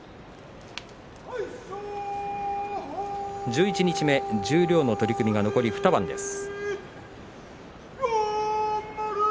十一日目、十両の取組が残り２番です。